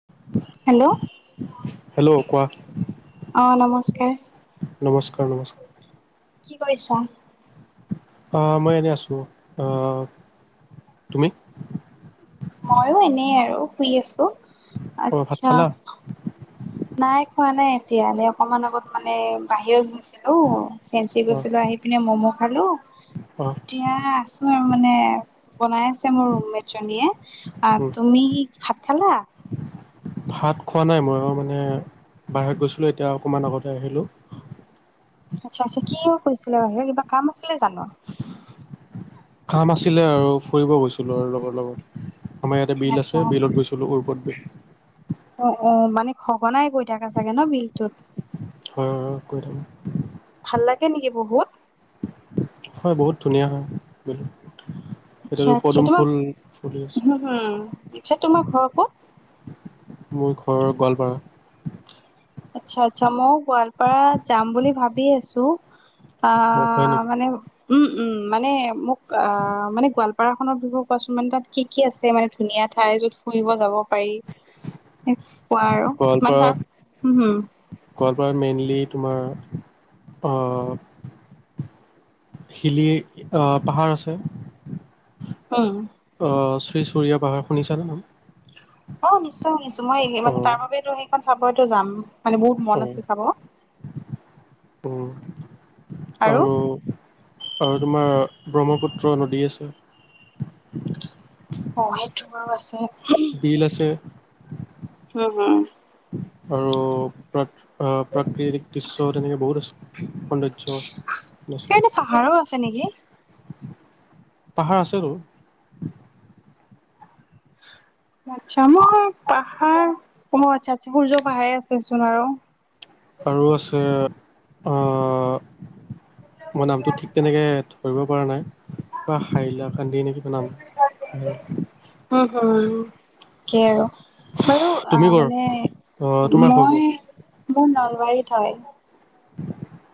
[inaudible] Hello! Hello কোৱা? অ', নমস্কাৰ। নমস্কাৰ, নমস্কাৰ। কি কৰিছা? আ, মই এনে আছোঁ আ, তুমি? ময়ো এনে আৰু শুই আছোঁ, অ ভাত আচ্ছা। খালা নাই খোৱা নাই এতিয়ালে অকমান আগত মানে বাহিৰত গৈছিলোঁ। ফেঞ্চি অ গৈছিলোঁ আহি পিনে ম'ম' খালোঁ অ এতিয়া আছোঁ আৰু মানে বনাই আছে মোৰ ৰুমমেট জনীয়ে। আহ, উম তুমি ভাত খালা? ভাত খোৱা নাই, ময়ো আৰু মানে বাহিৰত গৈছিলোঁ, এতিয়া অকণমান আগতে আহিলোঁ। আচ্ছা, আচ্ছা কিয় গৈছিলা বাহিৰত, কিবা কাম আছিলে জানো? কাম আছিলে আৰু ফুৰিব গৈছিলোঁ আৰু লগৰ লগত, আমাৰ ইয়াতে বিল আচ্ছা আছে আচ্ছা বিলত গৈছিলোঁ [inaudible] অ', অ', মানে সঘনাই গৈ থাকা চাগে ন' বিলটোত? হয়, হয়, গৈ থাকোঁ। ভাল লাগে নেকি বহুত? হয়, বহুত ধুনীয়া হয়, [unintelligible] এতিয়াতো পদুম ফুল ফুলি আছে। উম, আচ্ছা তোমাৰ ঘৰৰ ক'ত? মোৰ ঘৰ গোৱালপাৰা। আচ্ছা, আচ্ছা। ময়ো গোৱালপাৰা যাম বুলি ভাবি আছোঁ। আ, অ হয় নেকি মানে উম, উম। মানে মোক আ, মানে গোৱালপাৰাখনৰ বিষয়ে কোৱাচোন, মানে তাত কি, কি আছে মানে ধুনীয়া ঠাই য'ত ফুৰিব যাব পাৰি, এনেকুৱা আৰু ইমান তাৰ গোৱালপাৰাত হু, হু'! গোৱালপাৰাত মেইনলি তোমাৰ আ' [unintelligible] আ, পাহাৰ আছে। হুম। আ, শ্ৰী চূৰীয়া পাহাৰ শুনিছানে? অ', নিশ্চয় শুনিছোঁ, মই মানে অ', তাৰ বাবোতো সেইখন চাবইটো যাম, মানে বহুত মন অ', আছে চাব। উম, আৰু আৰু তোমাৰ ব্ৰহ্মপুত্ৰ নদী আছে। অ' সেইটো বাৰু আছে। শিল আছে। হুম, হু। আৰু প্ৰত অ' প্ৰাকৃতিক দৃশ্য তেনেকৈ বহুত আছে, সৌন্দৰ্যও আছে। আছে সেইনে পাহাৰো আছে নেকি? পাহাৰ আছে বাৰু। আচ্ছা। মই পাহাৰ অ' আচ্ছা আচ্ছা সূৰ্য পাহাৰে আছেচোন আৰু আৰু আছে আ মই নামটো ঠিক তেনেকে ধৰিব পৰা নাই। বা হাইলাকান্দি নেকি? জনাম উম উম। তাকেই আৰু। বাৰু তুমি অ' কৰ মানে অ', তোমাৰ কৰ কৰ মই, মোৰ নলবাৰীত হয়।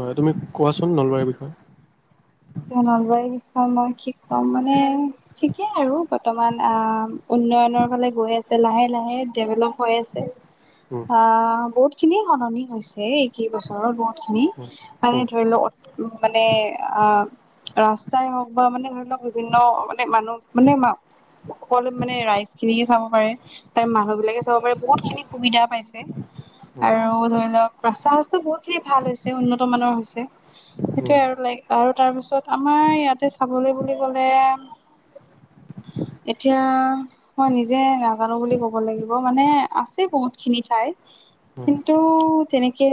হয়, তুমি কোৱাচোন নলবাৰীৰ বিষয়ে। নলবাৰীৰ বিষয়ে মই কি কম? মানে ঠিকেই আৰু বৰ্তমান আ উন্নয়নৰ ফালে গৈ আছে। লাহে লাহে ডেভেলপ হৈ আছে। উম, আহ বহুত খিনি সলনি হৈছে এই কেইবছৰত বহুত খিনি। উম, মানে উম, ধৰি লওক মানে আ ৰাস্তাই হওক বা মানে ধৰি লওক, বিভিন্ন মানে মানুহ মানে মা সকলো মানে ৰাইজ খিনিয়ে চাব পাৰে, তাৰ মানুহ বিলাকে চাব পাৰে বহুতখিনি সুবিধা পাইছে। উম, আৰু ধৰি লওক ৰাস্তা চাস্তা বহুত ভাল হৈছে, উন্নত মানৰ হৈছে। উম, সেইটোয়ে আৰু লাইক আৰু তাৰ পিছত আমাৰ ইয়াতে চাবলৈ বুলি কলে এতিয়া মই নিজে নাজানো বুলি ক'ব লাগিব। মানে আছে বহুত খিনি ঠাই উম, কিন্তু টো তেনেকৈ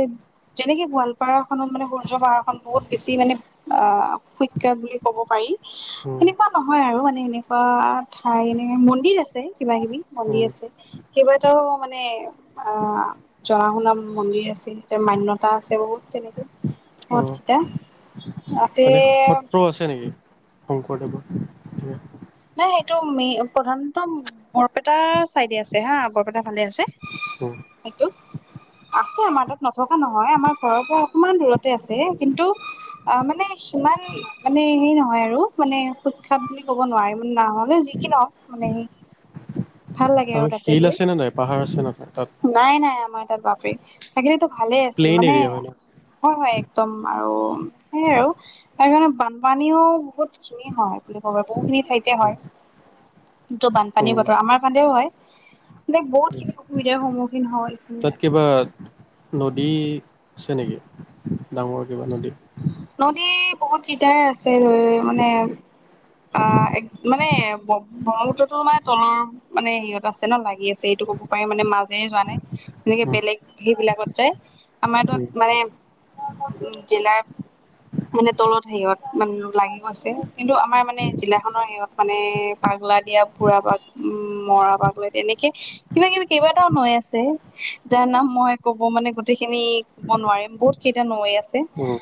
যেনেকে গোৱালপাৰা খনত মানে সূৰ্য পাহাৰখন বহুত বেছি মানে আ [unintelligible] বুলি ক'ব পাৰি উম, এনেকুৱা নহয় আৰু। মানে এনেকুৱা ঠাই মন্দিৰ আছে, কিবা কিবি। মন্দিৰ উম, আছে কেইবাটাও মানে অ জনা শুনা মন্দিৰ আছে। এতিয়া মান্যতা আছে বহুত তেনেকে। হতকেইটা ততে সত্ৰও আছে নেকি শংকৰদেৱৰ? নাই সেইটো মে প্ৰধানত বৰপেটা চাইডে আছে হা। বৰপেটা ফালে আছে। ওম। সেইটো আছে আমাৰ তাত নথকা নহয়। আমাৰ ঘৰৰ পৰা অকমান দূৰতে আছে। কিন্তু, অ' মানে সিমান মানে হেই নহয় আৰু মানে সুখ্যাত বুলি ক'ব নোৱাৰিম। ন মানে যি কি নহওক। মানে ভাল লাগে আৰু তাতে শিল গৈ আছে নে নাই? পাহাৰ আছে নে তাই তাত? নাই নাই আমাৰ তাত বাপেক। থাকিলেটো ভালেই আছিল। প্লেইন মানে এৰিয়া হয় ন হয় হয় একদম আৰু। সেইয়াই আৰু তাৰকাৰণে বানপানীও বহুত ঠাইতে হয় বুলি কব পাৰি। বহুখিনি ঠাইতে হয়। কিন্তু বানপানীৰ উম আমাৰ ফালেও হয়। মানে, বহুত খিনি অসুবিধাৰ সন্মুখীন হয় এইখিনি তাত কিবা নদী আছে নেকি? ডাঙৰ কিবা নদী? নদী বহুত কিতাই আছে ধৰি মানে অ' এক মানে বপ ব্ৰহ্মপুত্ৰতো মানে তলৰ মানে হেৰিয়ত আছে ন। লাগি আছে এইটো ক'ব পাৰি মানে, মাজেৰে যোৱা নাই। তেনেকে উম বেলেগ সেইবিলাকত যায়, আমাৰতো উম মানে জিলাৰ মানে তলত হেৰিয়ত মান লাগি গৈছে। কিন্তু আমাৰ মানে জিলাখনৰ হেৰিয়ত মানে পাগলাদিয়া, ফুৰা পাগ উম মৰা পাগলাদিয়া তেনেকৈ কিবা কিবি কেইবাটাও নৈ আছে। যাৰ নাম মই কব মানে গোটেইখিনি কব নোৱাৰিম। বহুত কেইটা নৈ আছে উম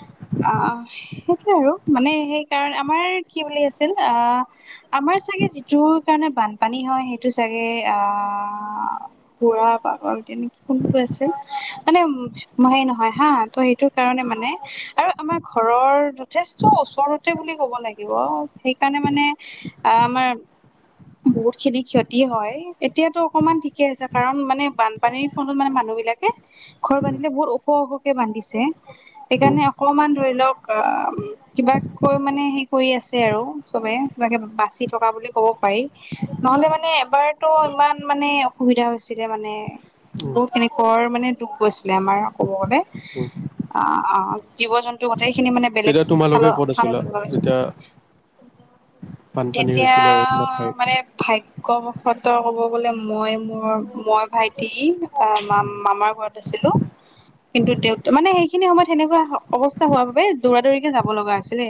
অ' সেইটোৱে আৰু। মানে সেইকাৰণ আমাৰ কি বুলি আছিল? আহ আমাৰ চাগে যিটো কাৰণে বানপানী হয়, সেইটো চাগে আহ ঘুৰা পাগল তেনে কোনটো আছিল? মানে উম মহেই নহয় হা৷ ত' সেইটো কাৰণে মানে, আৰু আমাৰ ঘৰৰ যথেষ্ট ওচৰতে বুলি ক'ব লাগিব, সেইকাৰণে মানে আ-মাৰ বহুতখিনি ক্ষতি হয় ৷এতিয়াতো অকমান ঠিকে আছে কাৰণ মানে বান পানীৰ ফ্ৰন্তত মানে মানুহ বিলাকে, ঘৰ বান্ধিলে বহুত ওখ ওখকে বান্ধিছে, উম উম সেইকাৰণে অকমান ধৰি লওঁক কিবা কৈ মানে হে কৰি আছে আৰু চবে কিবাকে বাচি থকা বুলি ক'ব পাৰি৷ নহ'লে মানে এবাৰতো ইমান মানে অসুবিধা হৈছিলে মানে উম বহুতখিনি [unintelligible] মানে দুখ গৈছিলে আমাৰ ক'ব উম। গলে৷আ--জীৱ জন্তু গোটেইখিনি মানে বেলেগ তেতিয়া স্থান তোমালোকে ক'ত আছিলা স্থানত লগোৱা হৈছে যেতিয়া বানপানী তেতিয়া হৈছিলে আৰু তোমাৰ ঠাইত মানে ভাগ কব ত গলে মই মোৰ মই ভাইটি মাম মামাৰ ঘৰত আছিলো৷কিন্তু মানে সেইখিনি সময়ত সেনেকুৱা অৱস্থা হোৱাৰ বাবে দৌৰা দৌৰিকে যাব লগা হৈছিলে৷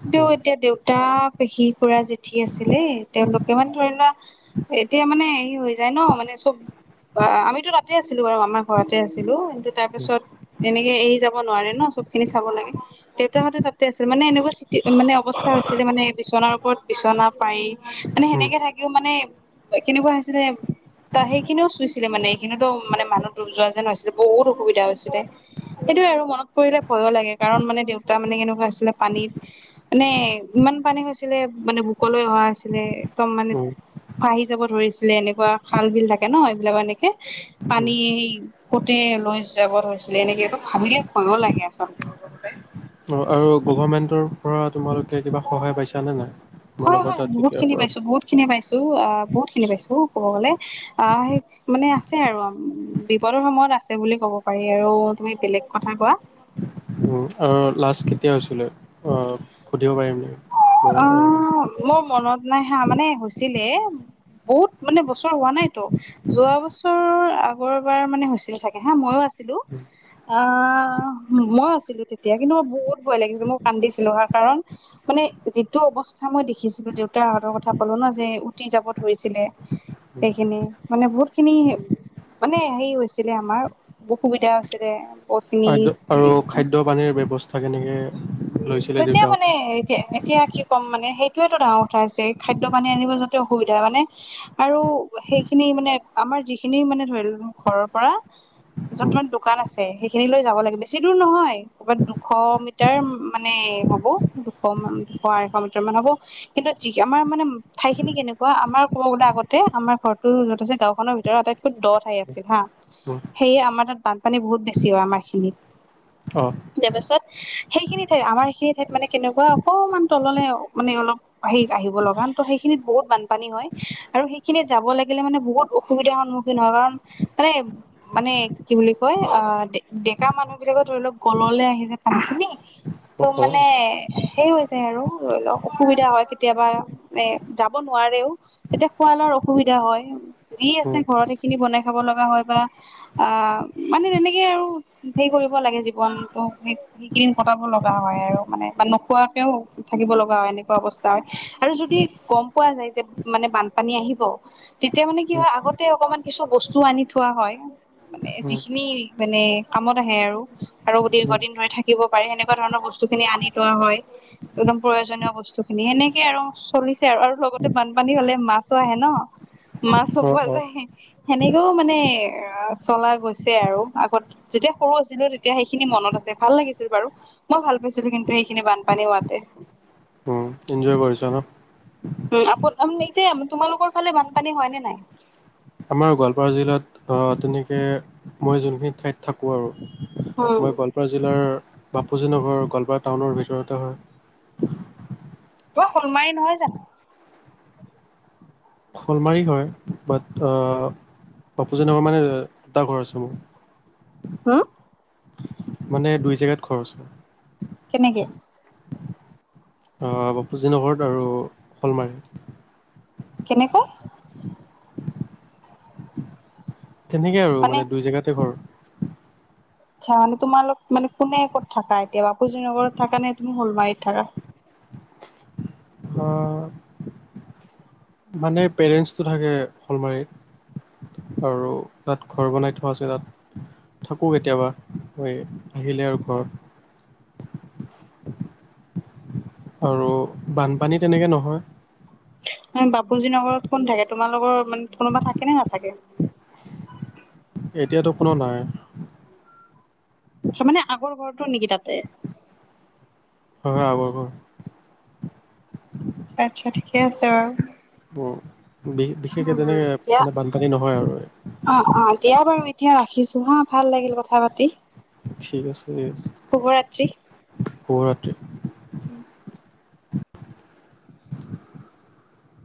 কিন্তু উম উম এতিয়া দেউতা, পেহী, খুৰা, জেঠি আছিলে৷ তেওঁলোকে মানে ধৰি লোৱা এতিয়া মানে হে হৈ যায় ন? মানে চব অ অ আমিতো তাতে আছিলো বাৰু মামাৰ ঘৰতে আছিলো৷ কিন্তু তাৰ উম পিছত এনেকে এৰি যাব নোৱাৰে ন? চব খিনি চাব লাগে দেউতাহঁতে তাতে আছিল, মানে এনেকুৱা চিটি মানে অৱস্থা হৈছিলে মানে বিচনাৰ ওপৰত বিচনা পাৰি মানে সেনেকে থাকিও মানে কেনেকুৱা হৈছিলে ত' সেইখিনিও চুইছিলে মানে এইখিনি মানে মানুহ ডুব যোৱা যেন হৈছিলে৷ বহুত অসুবিধা হৈছিলে৷ সেইটোৱে আৰু মনত পৰিলে ভয়ো লাগে কাৰণ মানে দেউতা মানে কেনেকুৱা আছিলে পানীত মানে ইমান পানী হৈছিলে মানে বুকলৈ অহা হৈছিলে৷একদম মানে পাহি যাব ধৰিছিলে, এনেকুৱা খাল বিল থাকে ন? এইবিলাকৰ এনেকে উম উম পানী কতে লৈ যাব ধৰিছিলে৷এনেকেটো ভাবিলে ভয়ো লাগে আ অ আৰু গভমেণ্টৰ পৰা তোমালোকে কিবা সহায় পাইছা নে নাই? হয় তোমালোকৰ হয় তাত বহুত যেতিয়াৰ খিনি পৰা পাইছো বহুত খিনি পাইছো, অ বহুত খিনি পাইছো ক'ব গ'লে, আ হেই মানে আছে আৰু বিপদৰ সময়ত আছে বুলি ক'ব পাৰি আৰু তুমি বেলেগ কথা কোৱা৷ আৰু লাষ্ট কেতিয়া হৈছিলে অ সুধিব পাৰিম নেকি? মই অ', মোৰ মনত নাই হা মানে হৈছিলে বহুত মানে বছৰ হোৱা নাইতো৷ যোৱা বছৰ আগৰবাৰ মানে হৈছিল চাগে হা মইও আছিলোঁ৷ উম, আ মই আছিলো তেতিয়া, কিন্তু মই বহুত ভয় লাগিছে মই কান্দিছিলো হা কাৰণ মানে যিটো অৱস্থা মই দেখিছিলো দেউতাৰহঁতৰ কথা কলো ন যে উটি যাব ধৰিছিলে উম। সেইখিনি, মানে বহুত খিনি মানে সেই হৈছিলে আমাৰ, অসুবিধা হৈছিলে বহুত হয়, আৰু খিনি খাদ্য পানীৰ ব্যৱস্থা কেনেকে? লৈছিলে তেতিয়া মানে দেউতাহঁতে? এতিয়াহে এতিয়া কি ক'ম মানে, সেইটোৱেটো ডাঙৰ কথা হৈছে, খাদ্য পানী আনিব যাওতে অসুবিধা মানে আৰু সেইখিনি মানে আমাৰ যিখিনি মানে ধৰিলওঁ ঘৰৰ পৰা য'ত মানে দোকান আছে সেইখিনিলৈ যাব লাগে, বেছি দূৰ নহয় কৰবাত দুশ মিট টাৰ মানে হ'বো দুশ মান দুশ আঢ়ৈশ মিটাৰ মান হ'ব৷ কিন্তু যি আমাৰ মানে ঠাইখিনি কেনেকুৱা, আমাৰ ক'ব গ'লে আগতে আমাৰ ঘৰটো য'ত আছে গাঁওখনৰ ভিতৰত আটাইত দ ঠাই আছিল হা, উম, সেয়ে আমাৰ তাত বানপানী বহুত বেছি হয় আমাৰ খিনিত৷ অ, তাৰ পাছত সেইখিনি ঠাইত আমাৰ সেইখিনি ঠাইত মানে কেনেকুৱা অকণমান তললৈ মানে অলপ [unintelligible] আহিব লগা ত' সেইখিনিত বহুত বানপানী হয় আৰু সেইখিনিত যাব লাগিলে মানে বহুত সুবিধাৰ সন্মুখীন হ'ম। মানে মানে কি বুলি কয়, আহ ডে ডেকা মানুহ বিলাকৰ ধৰি লওক গললে আহি যায় পানী খিনি। চ' অ', অ', মানে, সেই হৈ যায় আৰু, ধৰি লওক অসুবিধা হয় কেতিয়াবা। এ যাব নোৱাৰেও। এতিয়া খোৱা লোৱাৰ অসুবিধা হয়। যি আছে উম, ঘৰত সেইখিনি বনাই খাব লগা হয় বা আহ, মানে তেনেকে আৰু হেৰি কৰিব লাগে জীৱনতটো [unintelligible] কটাব লগা হয়, আৰু মানে বা নোখোৱাকেও থাকিব লগা হয়, এনেকুৱা অৱস্থা হয়। আৰু যদি গম পোৱা যায় যে, মানে বানপানী আহিব। তেতিয়া মানে কি উম, হয় আগতে অকমান কিছু বস্তু আনিও থোৱা হয়, মানে উম, যিখিনি মানে কামত আহে আৰু। আৰু উম, দীৰ্ঘদিন ধৰি থাকিব পাৰি। সেনেকুৱা ধৰণৰ বস্তুখিনি আনি থোৱা হয়। একদম প্ৰয়োজনীয় বস্তুখিনি। এনেকে আৰু চলিছে আৰু। আৰু লগতে বানপানী হ'লে মাছো আহে ন। মাছো অ', পোৱা অ', যায়। সেনেকেও মানে চলা গৈছে আৰু আগত যেতিয়া সৰু আছিলোঁ তেতিয়া সেইখিনি মনত আছে, ভাল লাগিছিল বাৰু। মই ভাল পাইছিলোঁ কিন্তু সেইখিনি বানপানী হোৱাতে। উম, এনঞ্জয় কৰিছা ন? উম, [unintelligible] এতিয়া, তোমালোকৰ ফালে বানপানী হয়নে নাই? আমাৰ গোৱালপাৰা জিলাত তেনেকে মই যোনখিনি ঠাইত থাকোঁ আৰু উম মই গোৱালপাৰা জিলাৰ, বাপুজী নগৰৰ গোৱালপাৰা টাউনৰ ভিতৰতে হয়, [unintelligible] শ'লমাৰি নহয় জানো? শ'লমাৰি হয়, বাট অ', বাপুজী নগৰ মানে দুটা ঘৰ আছে মোৰ। হম? মানে দুই জেগাত খৰচ। কেনেকে? বাপুজী নগৰত আৰু শ'লমাৰী। কেনেকৈ? তেনেকে আৰু। মানে দুই জেগাতে ঘৰ। আচ্ছা। মানে তোমালোক মানে কোনে, ক'ত থাকা। এতিয়া, বাপুজী নগৰত থাকানে? তুমি শ'লমাৰীত থাকা? অ', মানে পেৰেণ্টছটো থাকে শ'লমাৰীত। আৰু তাত ঘৰ বনাই থোৱা আছে তাত। থাকোঁ কেতিয়াবা, মই আহিলে আৰু ঘৰত। আৰু বানপানী তেনেকে নহয়। বাপুজী নগৰত কোন থাকে? তোমাৰ লগৰ মানে, কোনোবা থাকেনে নাথাকে? এতিয়াতো কোনো নাই। আচ্ছা, মানে আগৰ ঘৰতো নেকি তাতে? হয়, হয়, আগৰ ঘৰতো। আটচ্ছা, ঠিকে আছে বাৰু। উম, বিশে-বিশেষ হে উম, তেনেকে দিয়া মানে বানপানী নহয় আৰু। অ', অ'। দিয়া বাৰু এতিয়া ৰাখিছোঁ হা। ভাল লাগিল কথা-পাতি। ঠিক আছে, ঠিক আছে। শুভৰাত্ৰি। শুভৰাত্ৰি। [inaudible]